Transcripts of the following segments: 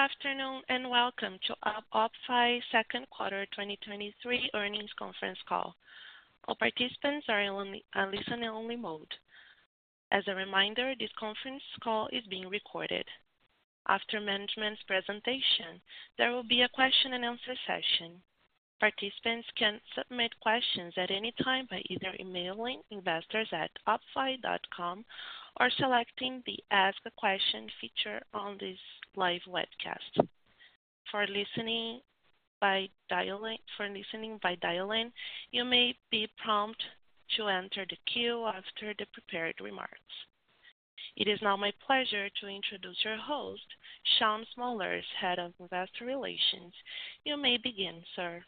Good afternoon, welcome to OppFi's second quarter 2023 earnings conference call. All participants are in listen in only mode. As a reminder, this conference call is being recorded. After management's presentation, there will be a question and answer session. Participants can submit questions at any time by either emailing investors@oppfi.com or selecting the ask a question feature on this live webcast. For listening by dial-in, you may be prompted to enter the queue after the prepared remarks. It is now my pleasure to introduce your host, Shaun Smolarz, Head of Investor Relations. You may begin, sir.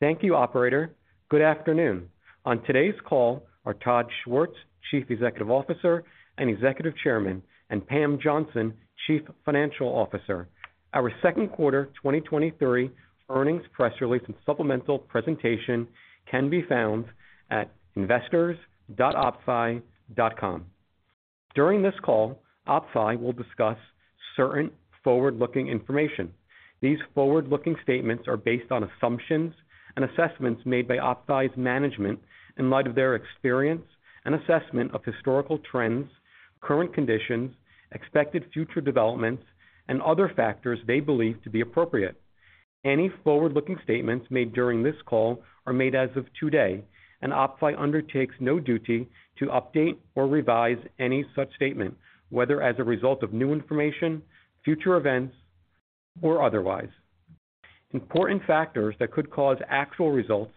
Thank you, operator. Good afternoon. On today's call are Todd Schwartz, Chief Executive Officer and Executive Chairman, and Pam Johnson, Chief Financial Officer. Our second quarter 2023 earnings press release and supplemental presentation can be found at investors.oppfi.com. During this call, OppFi will discuss certain forward-looking information. These forward-looking statements are based on assumptions and assessments made by OppFi's management in light of their experience and assessment of historical trends, current conditions, expected future developments, and other factors they believe to be appropriate. Any forward-looking statements made during this call are made as of today, and OppFi undertakes no duty to update or revise any such statement, whether as a result of new information, future events, or otherwise. Important factors that could cause actual results,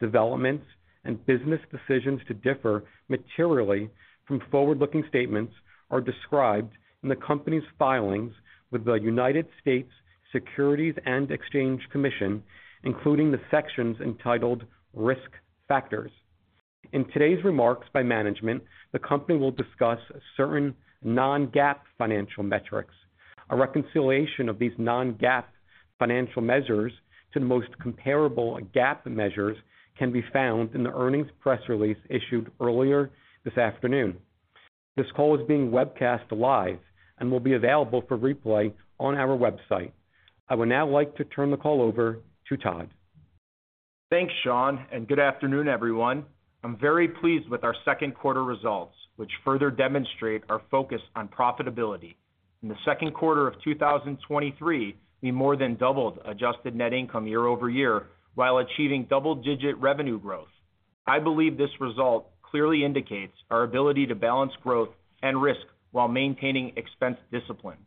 developments, and business decisions to differ materially from forward-looking statements are described in the company's filings with the United States Securities and Exchange Commission, including the sections entitled Risk Factors. In today's remarks by management, the company will discuss certain non-GAAP financial metrics. A reconciliation of these non-GAAP financial measures to the most comparable GAAP measures can be found in the earnings press release issued earlier this afternoon. This call is being webcast live and will be available for replay on our website. I would now like to turn the call over to Todd. Thanks, Shaun. Good afternoon, everyone. I'm very pleased with our second quarter results, which further demonstrate our focus on profitability. In the second quarter of 2023, we more than doubled adjusted net income year-over-year while achieving double-digit revenue growth. I believe this result clearly indicates our ability to balance growth and risk while maintaining expense discipline.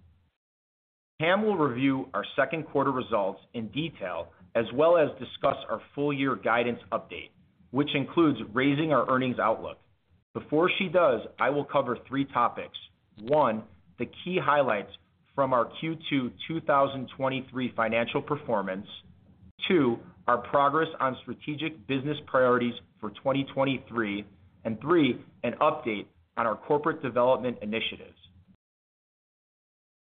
Pam will review our second quarter results in detail, as well as discuss our full year guidance update, which includes raising our earnings outlook. Before she does, I will cover three topics: One, the key highlights from our Q2 2023 financial performance; Two, our progress on strategic business priorities for 2023; and three, an update on our corporate development initiatives.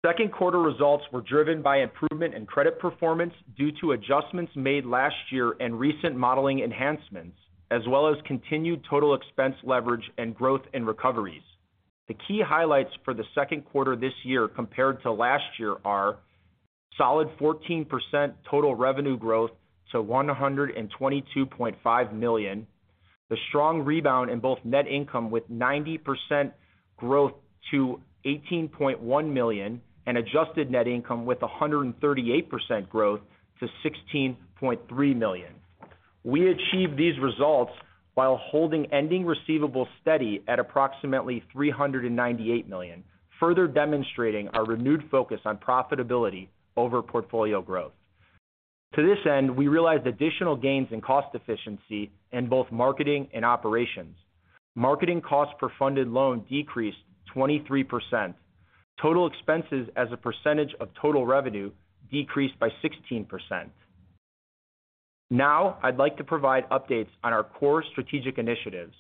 Second quarter results were driven by improvement in credit performance due to adjustments made last year and recent modeling enhancements, as well as continued total expense leverage and growth in recoveries. The key highlights for the second quarter this year compared to last year are: solid 14% total revenue growth to $122.5 million. The strong rebound in both net income with 90% growth to $18.1 million, and adjusted net income with 138% growth to $16.3 million. We achieved these results while holding ending receivable steady at approximately $398 million, further demonstrating our renewed focus on profitability over portfolio growth. To this end, we realized additional gains in cost efficiency in both marketing and operations. Marketing costs per funded loan decreased 23%. Total expenses as a percentage of total revenue decreased by 16%. Now, I'd like to provide updates on our core strategic initiatives.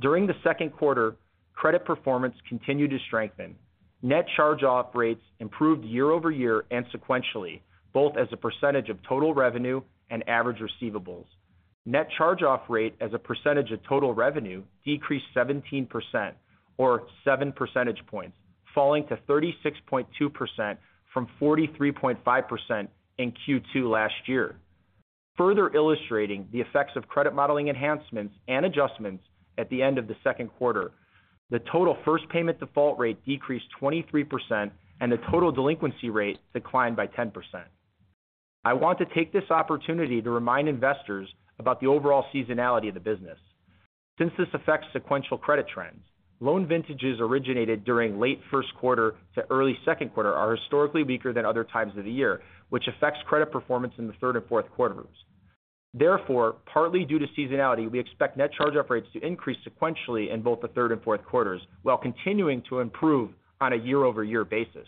During the second quarter, credit performance continued to strengthen. Net charge-off rates improved year-over-year and sequentially, both as a percentage of total revenue and average receivables. Net charge-off rate as a percentage of total revenue decreased 17% or 7 percentage points, falling to 36.2% from 43.5% in Q2 last year. Further illustrating the effects of credit modeling enhancements and adjustments at the end of the second quarter, the total first payment default rate decreased 23%, and the total delinquency rate declined by 10%. I want to take this opportunity to remind investors about the overall seasonality of the business. Since this affects sequential credit trends, loan vintages originated during late first quarter to early second quarter are historically weaker than other times of the year, which affects credit performance in the third and fourth quarters. Therefore, partly due to seasonality, we expect net charge-off rates to increase sequentially in both the third and fourth quarters, while continuing to improve on a year-over-year basis.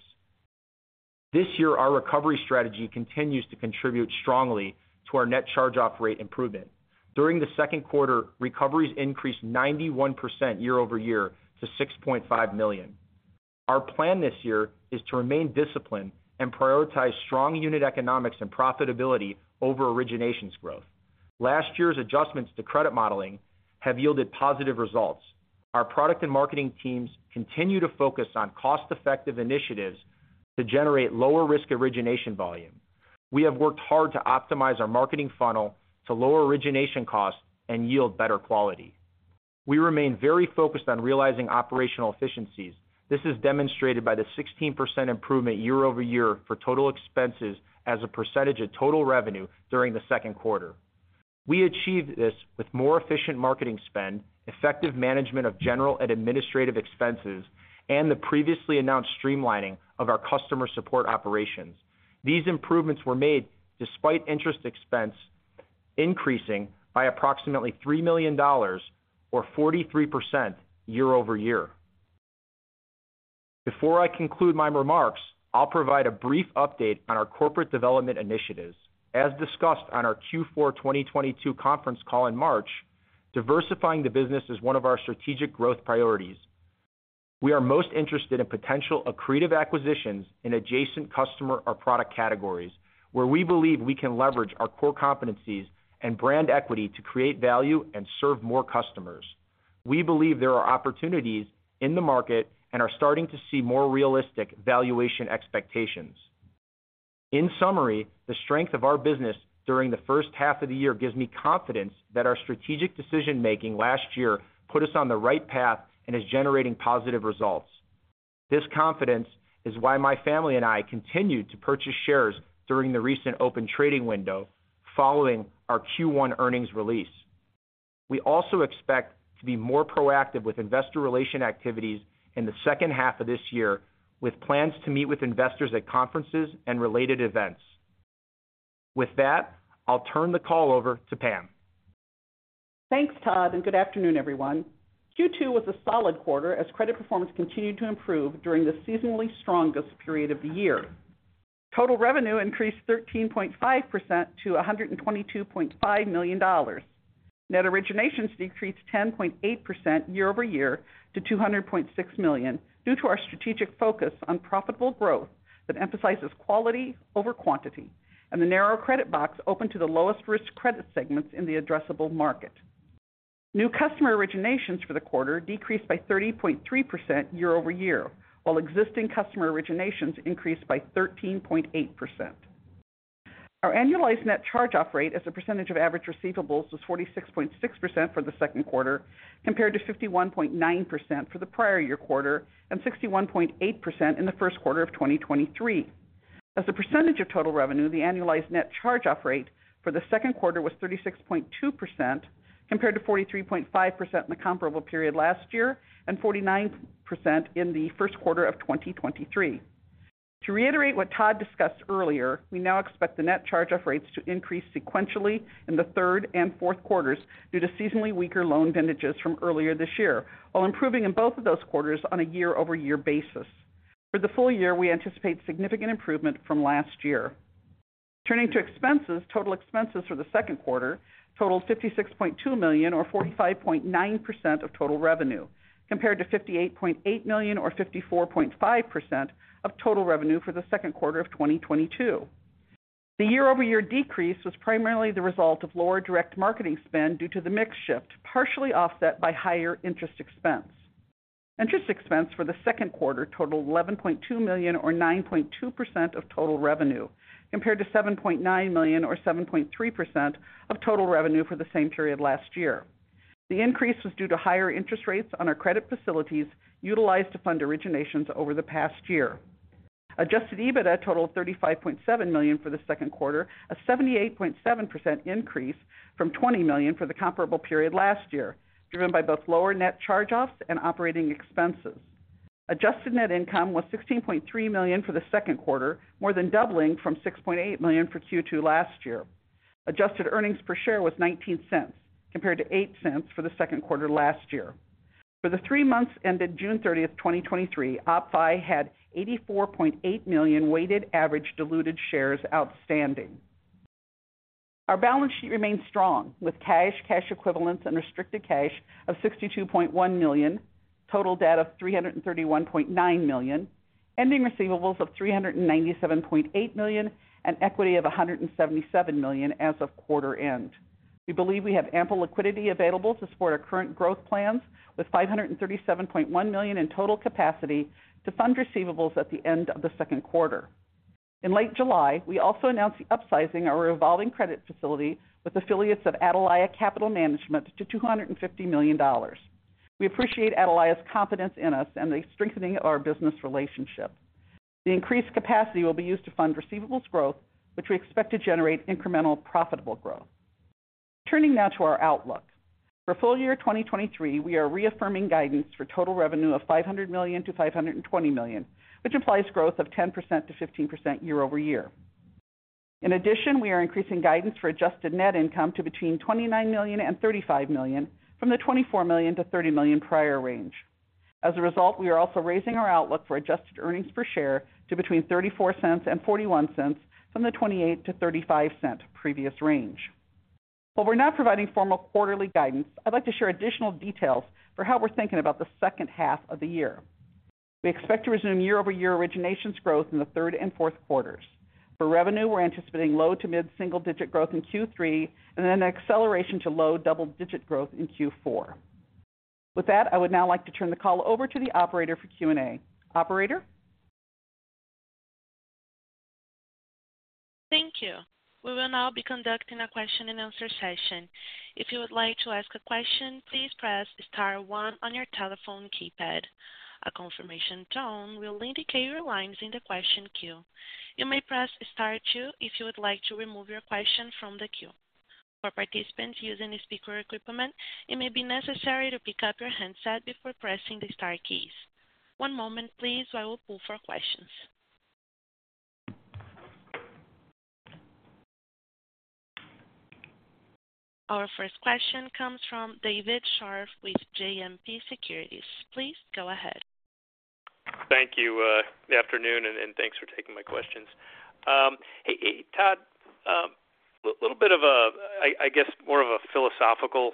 This year, our recovery strategy continues to contribute strongly to our net charge-off rate improvement. During the second quarter, recoveries increased 91% year-over-year to $6.5 million. Our plan this year is to remain disciplined and prioritize strong unit economics and profitability over originations growth. Last year's adjustments to credit modeling have yielded positive results. Our product and marketing teams continue to focus on cost-effective initiatives to generate lower-risk origination volume. We have worked hard to optimize our marketing funnel to lower origination costs and yield better quality. We remain very focused on realizing operational efficiencies. This is demonstrated by the 16% improvement year-over-year for total expenses as a percentage of total revenue during the second quarter. We achieved this with more efficient marketing spend, effective management of general and administrative expenses, and the previously announced streamlining of our customer support operations. These improvements were made despite interest expense increasing by approximately $3 million or 43% year-over-year. Before I conclude my remarks, I'll provide a brief update on our corporate development initiatives. As discussed on our Q4 2022 conference call in March, diversifying the business is one of our strategic growth priorities. We are most interested in potential accretive acquisitions in adjacent customer or product categories, where we believe we can leverage our core competencies and brand equity to create value and serve more customers. We believe there are opportunities in the market and are starting to see more realistic valuation expectations. In summary, the strength of our business during the first half of the year gives me confidence that our strategic decision-making last year put us on the right path and is generating positive results. This confidence is why my family and I continued to purchase shares during the recent open trading window following our Q1 earnings release. We also expect to be more proactive with investor relations activities in the second half of this year, with plans to meet with investors at conferences and related events. With that, I'll turn the call over to Pam. Thanks, Todd. Good afternoon, everyone. Q2 was a solid quarter as credit performance continued to improve during the seasonally strongest period of the year. Total revenue increased 13.5% to $122.5 million. Net originations decreased 10.8% year-over-year to $200.6 million, due to our strategic focus on profitable growth that emphasizes quality over quantity, and the narrow credit box opened to the lowest-risk credit segments in the addressable market. New customer originations for the quarter decreased by 30.3% year-over-year, while existing customer originations increased by 13.8%. Our annualized net charge-off rate as a percentage of average receivables was 46.6% for the second quarter, compared to 51.9% for the prior year quarter and 61.8% in the first quarter of 2023. As a percentage of total revenue, the annualized net charge-off rate for the second quarter was 36.2%, compared to 43.5% in the comparable period last year and 49% in the first quarter of 2023. To reiterate what Todd discussed earlier, we now expect the net charge-off rates to increase sequentially in the third and fourth quarters due to seasonally weaker loan vintages from earlier this year, while improving in both of those quarters on a year-over-year basis. For the full year, we anticipate significant improvement from last year. Turning to expenses. Total expenses for the second quarter totaled $56.2 million or 45.9% of total revenue, compared to $58.8 million or 54.5% of total revenue for the second quarter of 2022. The year-over-year decrease was primarily the result of lower direct marketing spend due to the mix shift, partially offset by higher interest expense. Interest expense for the second quarter totaled $11.2 million, or 9.2% of total revenue, compared to $7.9 million, or 7.3% of total revenue for the same period last year. The increase was due to higher interest rates on our credit facilities utilized to fund originations over the past year. Adjusted EBITDA totaled $35.7 million for the second quarter, a 78.7% increase from $20 million for the comparable period last year, driven by both lower net charge-offs and operating expenses. Adjusted net income was $16.3 million for the second quarter, more than doubling from $6.8 million for Q2 last year. Adjusted earnings per share was $0.19, compared to $0.08 for the second quarter last year. For the three months ended June thirtieth, 2023, OppFi had 84.8 million weighted average diluted shares outstanding. Our balance sheet remains strong, with cash, cash equivalents and restricted cash of $62.1 million, total debt of $331.9 million, ending receivables of $397.8 million, and equity of $177 million as of quarter end. We believe we have ample liquidity available to support our current growth plans, with $537.1 million in total capacity to fund receivables at the end of the second quarter. In late July, we also announced the upsizing our revolving credit facility with affiliates of Atalaya Capital Management to $250 million. We appreciate Atalaya's confidence in us and the strengthening of our business relationship. The increased capacity will be used to fund receivables growth, which we expect to generate incremental profitable growth. Turning now to our outlook. For full year 2023, we are reaffirming guidance for total revenue of $500 million-$520 million, which implies growth of 10%-15% year-over-year. In addition, we are increasing guidance for adjusted net income to between $29 million and $35 million from the $24 million to $30 million prior range. As a result, we are also raising our outlook for adjusted earnings per share to between $0.34 and $0.41 from the $0.28 to $0.35 previous range. While we're not providing formal quarterly guidance, I'd like to share additional details for how we're thinking about the second half of the year. We expect to resume year-over-year originations growth in the third and fourth quarters. For revenue, we're anticipating low to mid single-digit growth in Q3, and then acceleration to low double-digit growth in Q4. With that, I would now like to turn the call over to the operator for Q&A. Operator? Thank you. We will now be conducting a question-and-answer session. If you would like to ask a question, please press star one on your telephone keypad. A confirmation tone will indicate your line's in the question queue. You may press star two if you would like to remove your question from the queue. For participants using a speaker equipment, it may be necessary to pick up your handset before pressing the star keys. One moment please, while we pull for questions. Our first question comes from David Scharf with JMP Securities. Please go ahead. Thank you, good afternoon, and thanks for taking my questions. Hey, Todd, little bit of a, I guess, more of a philosophical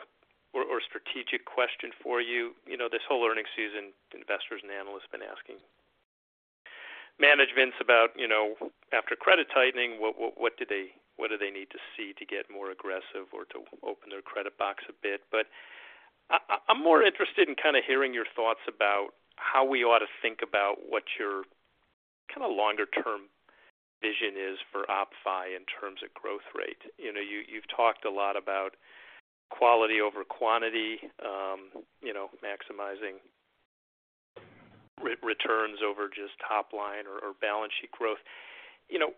or strategic question for you. You know, this whole earnings season, investors and analysts have been asking managements about, you know, after credit tightening, what do they need to see to get more aggressive or to open their credit box a bit? I, I, I'm more interested in kind of hearing your thoughts about how we ought to think about what your kind of longer-term vision is for OppFi in terms of growth rate. You know, you, you've talked a lot about quality over quantity, you know, maximizing re-returns over just top line or balance sheet growth. You know,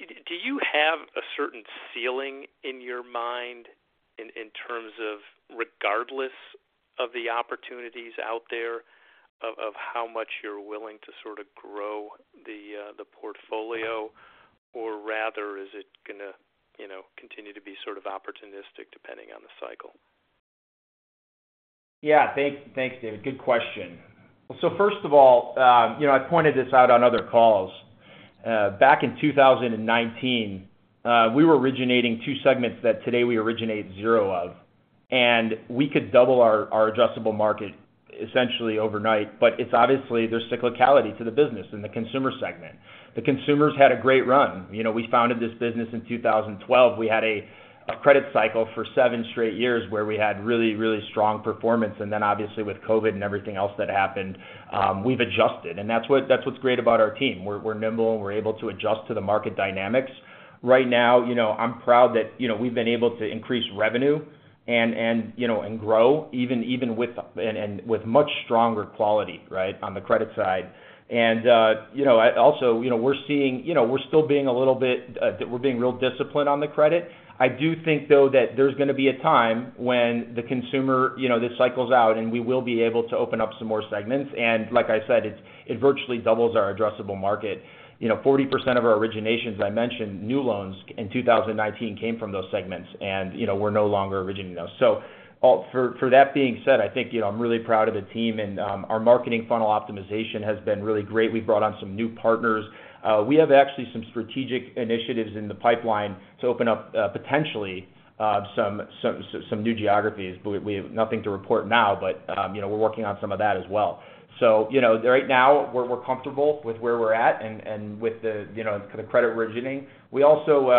do you have a certain ceiling in your mind in terms of, regardless of the opportunities out there, of how much you're willing to sort of grow the portfolio? Or rather, is it gonna, you know, continue to be sort of opportunistic, depending on the cycle? Yeah. Thank, thanks, David. Good question. First of all, you know, I pointed this out on other calls. Back in 2019, we were originating two segments that today we originate zero of, and we could double our, our adjustable market essentially overnight. It's obviously, there's cyclicality to the business in the consumer segment. The consumers had a great run. You know, we founded this business in 2012. We had a, a credit cycle for seven straight years, where we had really, really strong performance. Then obviously, with COVID and everything else that happened, we've adjusted, and that's what, that's what's great about our team. We're, we're nimble, and we're able to adjust to the market dynamics. Right now, you know, I'm proud that, you know, we've been able to increase revenue and, and, you know, and grow even, even with, and, and with much stronger quality, right, on the credit side. Also, you know, we're still being a little bit, we're being real disciplined on the credit. I do think, though, that there's gonna be a time when the consumer, you know, this cycles out, and we will be able to open up some more segments. Like I said, it, it virtually doubles our addressable market. You know, 40% of our originations, I mentioned, new loans in 2019 came from those segments, and, you know, we're no longer originating those. For, for that being said, I think, you know, I'm really proud of the team, and our marketing funnel optimization has been really great. We've brought on some new partners. We have actually some strategic initiatives in the pipeline to open up, potentially, some, some, some new geographies. We, we have nothing to report now, but, you know, we're working on some of that as well. You know, right now, we're, we're comfortable with where we're at and, and with the, you know, the credit originating. We also,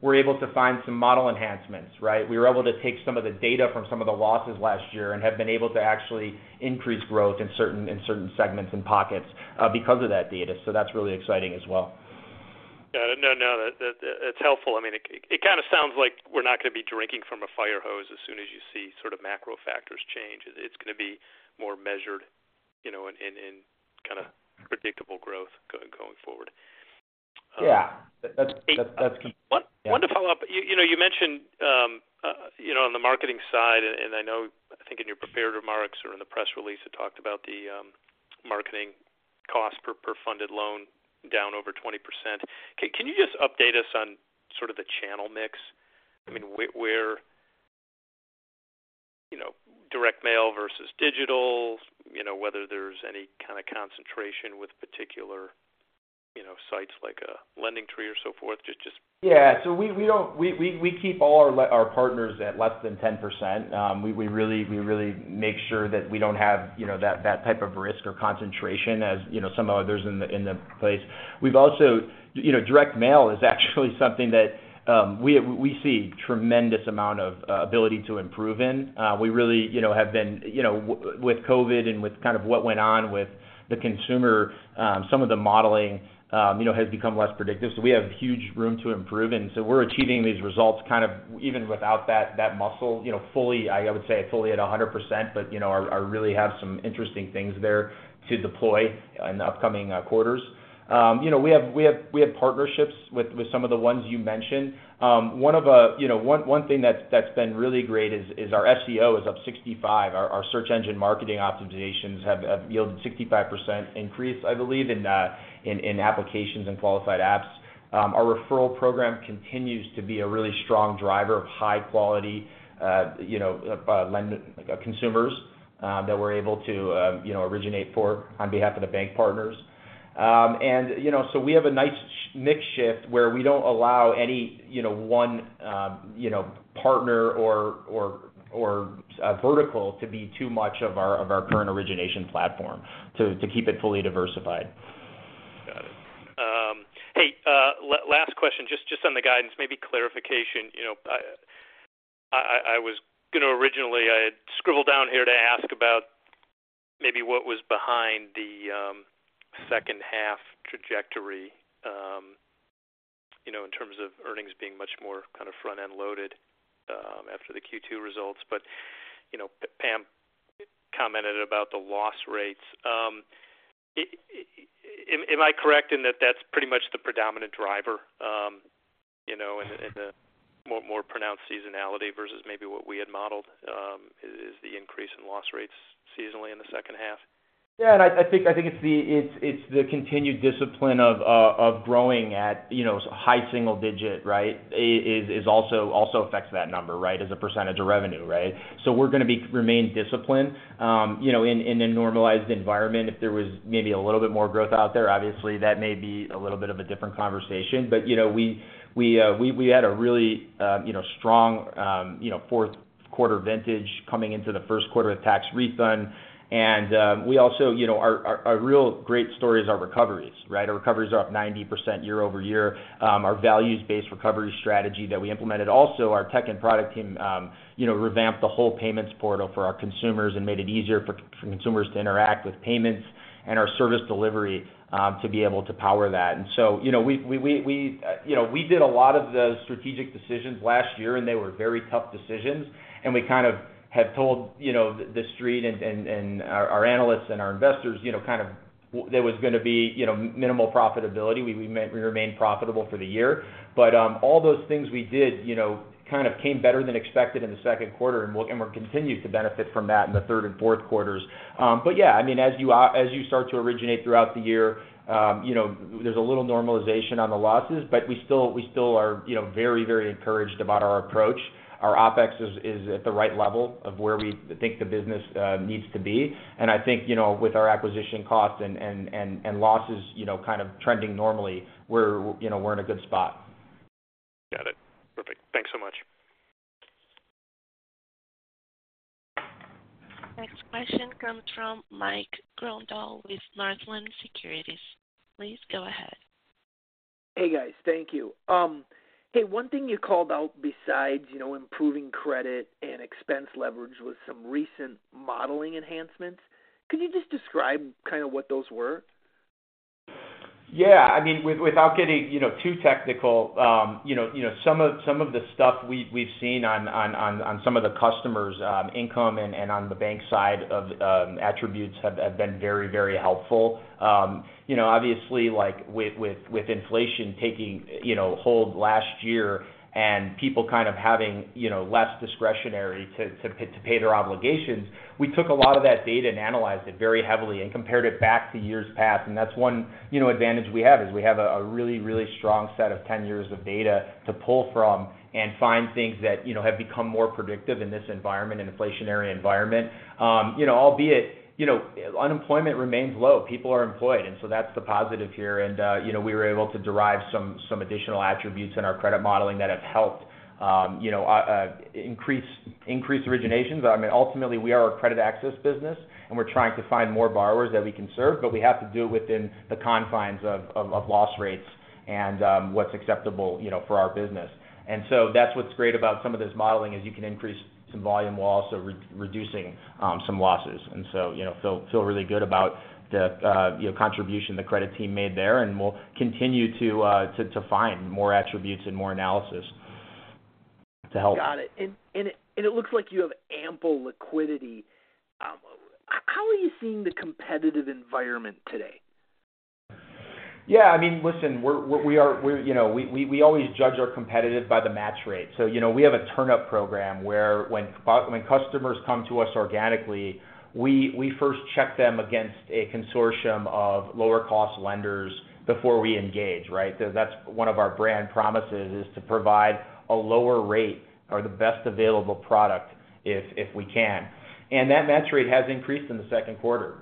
we're able to find some model enhancements, right? We were able to take some of the data from some of the losses last year and have been able to actually increase growth in certain, in certain segments and pockets, because of that data. That's really exciting as well. Yeah. No, no, it's helpful. I mean, it, it kind of sounds like we're not going to be drinking from a fire hose as soon as you see sort of macro factors change. It's gonna be more measured, you know, in, in, in kind of predictable growth going forward. Yeah, that's. One- Yeah. One to follow up. You, you know, you mentioned, you know, on the marketing side, and, and I know, I think in your prepared remarks or in the press release, it talked about the marketing cost per, per funded loan down over 20%. Can, can you just update us on sort of the channel mix? I mean, where, you know, direct mail versus digital, you know, whether there's any kind of concentration with particular, you know, sites like a LendingTree or so forth, just, just? Yeah. So we, we don't we, we, we keep all our our partners at less than 10%. We, we really, we really make sure that we don't have, you know, that, that type of risk or concentration as, you know, some others in the, in the place. We've also... You know, direct mail is actually something that we, we see tremendous amount of ability to improve in. We really, you know, have been, you know, with COVID and with kind of what went on with the consumer, some of the modeling, you know, has become less predictive, so we have huge room to improve. So we're achieving these results kind of even without that, that muscle, you know, fully... I, I would say, fully at 100%, but, you know, I, I really have some interesting things there to deploy in the upcoming quarters. You know, we have, we have, we have partnerships with, with some of the ones you mentioned. One of the, you know, one, one thing that's, that's been really great is, is our SEO is up 65. Our, our search engine marketing optimizations have, have yielded 65% increase, I believe, in applications and qualified apps. Our referral program continues to be a really strong driver of high quality, you know, consumers that we're able to, you know, originate for on behalf of the bank partners. You know, so we have a nice mix shift where we don't allow any, you know, one, you know, partner or, or, or vertical to be too much of our, of our current origination platform to, to keep it fully diversified. Got it. Hey, last question, just, just on the guidance, maybe clarification. You know, I, I, I was gonna originally I had scribbled down here to ask about maybe what was behind the second half trajectory, you know, in terms of earnings being much more kind of front-end loaded, after the Q2 results. You know, Pam commented about the loss rates. Am I correct in that that's pretty much the predominant driver, you know, in the, in the more, more pronounced seasonality versus maybe what we had modeled, is, is the increase in loss rates seasonally in the second half? Yeah, I think it's the continued discipline of growing at, you know, high single-digit, right? It also affects that number, right, as a percentage of revenue, right? We're gonna remain disciplined, you know, in a normalized environment. If there was maybe a little bit more growth out there, obviously, that may be a little bit of a different conversation. You know, we had a really, you know, strong, you know, fourth quarter vintage coming into the first quarter of tax refund. We also, you know, our real great story is our recoveries, right? Our recoveries are up 90% year-over-year. Our values-based recovery strategy that we implemented, also our tech and product team, you know, revamped the whole payments portal for our consumers and made it easier for, for consumers to interact with payments and our service delivery to be able to power that. You know, we, we, we, we, you know, we did a lot of the strategic decisions last year, and they were very tough decisions. We kind of have told, you know, the, the Street and, and, and our, our analysts and our investors, you know, kind of, there was gonna be, you know, minimal profitability. We, we remained profitable for the year. All those things we did, you know, kind of came better than expected in the second quarter, and we're, and we're continued to benefit from that in the third and fourth quarters. Yeah, I mean, as you as you start to originate throughout the year, you know, there's a little normalization on the losses, but we still, we still are, you know, very, very encouraged about our approach. Our OpEx is, is at the right level of where we think the business needs to be. I think, you know, with our acquisition costs and, and, and, and losses, you know, kind of trending normally, we're, you know, we're in a good spot. Got it. Perfect. Thanks so much. Next question comes from Mike Grondahl with Northland Securities. Please go ahead. Hey, guys. Thank you. Hey, one thing you called out besides, you know, improving credit and expense leverage was some recent modeling enhancements. Could you just describe kind of what those were? Yeah, I mean, without getting, you know, too technical, you know, some of the stuff we've seen on some of the customers', income and on the bank side of attributes have been very, very helpful. You know, obviously, like, with inflation taking, you know, hold last year and people kind of having, you know, less discretionary to pay their obligations, we took a lot of that data and analyzed it very heavily and compared it back to years past. And that's one, you know, advantage we have, is we have a really, really strong set of 10 years of data to pull from and find things that, you know, have become more predictive in this environment, an inflationary environment. You know, albeit, you know, unemployment remains low. People are employed, so that's the positive here. You know, we were able to derive some, some additional attributes in our credit modeling that have helped, you know, increase, increase originations. I mean, ultimately, we are a credit access business, and we're trying to find more borrowers that we can serve, but we have to do it within the confines of, of, of loss rates and, what's acceptable, you know, for our business. So that's what's great about some of this modeling, is you can increase some volume while also re- reducing, some losses. So, you know, feel, feel really good about the, you know, contribution the credit team made there, and we'll continue to, to, to find more attributes and more analysis to help. Got it. It looks like you have ample liquidity. How are you seeing the competitive environment today? Yeah, I mean, listen, we're, we are, we're, you know, we, we, we always judge our competitive by the match rate. You know, we have a TurnUp program where when customers come to us organically, we, we first check them against a consortium of lower-cost lenders before we engage, right? That's one of our brand promises, is to provide a lower rate or the best available product if, if we can. That match rate has increased in the second quarter.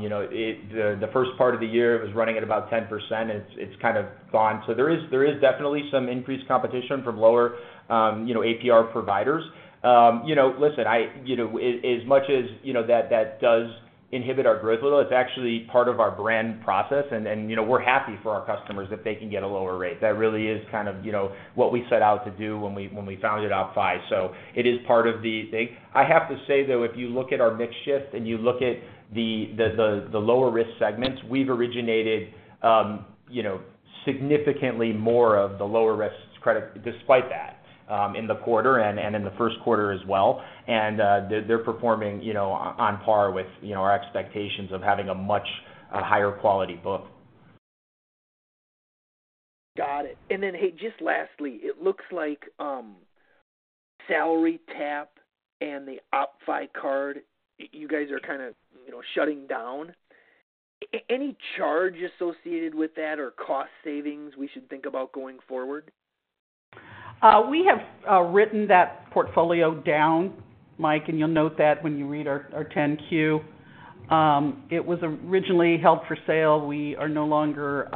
You know, it, the, the first part of the year, it was running at about 10%, and it's, it's kind of gone. There is, there is definitely some increased competition from lower, you know, APR providers. You know, listen, I, you know, as, as much as, you know, that, that does inhibit our growth a little, it's actually part of our brand process. You know, we're happy for our customers that they can get a lower rate. That really is kind of, you know, what we set out to do when we, when we founded OppFi. It is part of the thing. I have to say, though, if you look at our mix shift and you look at the, the, the, the lower-risk segments, we've originated, you know, significantly more of the lower-risk credit despite that in the quarter and in the first quarter as well. They're, they're performing, you know, on par with, you know, our expectations of having a much, a higher quality book. Got it. Hey, just lastly, it looks like SalaryTap and the OppFi Card, you guys are kind of, you know, shutting down. Any charge associated with that or cost savings we should think about going forward? We have written that portfolio down, Mike, and you'll note that when you read our 10-Q. It was originally held for sale. We are no longer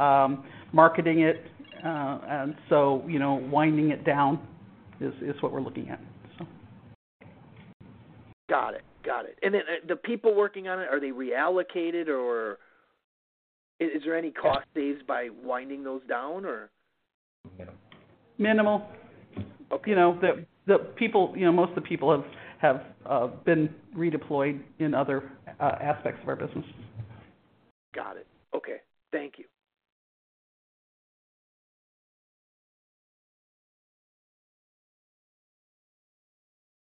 marketing it, and so, you know, winding it down is what we're looking at. Got it. Got it. Then, the people working on it, are they reallocated, or is there any cost saved by winding those down, or? Minimal. Minimal. You know, the, the people, you know, most of the people have, have been redeployed in other aspects of our business. Got it. Okay. Thank you.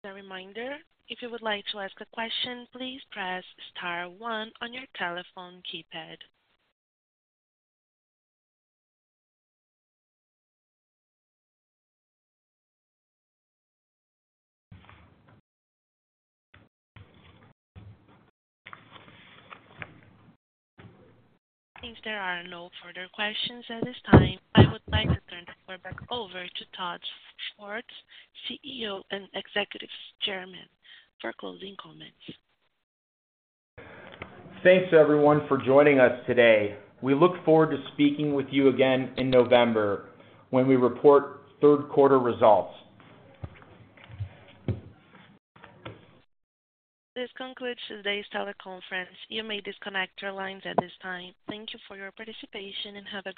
A reminder, if you would like to ask a question, please press star one on your telephone keypad. If there are no further questions at this time, I would like to turn the floor back over to Todd Schwartz, CEO and Executive Chairman, for closing comments. Thanks, everyone, for joining us today. We look forward to speaking with you again in November when we report third quarter results. This concludes today's teleconference. You may disconnect your lines at this time. Thank you for your participation, and have a great day.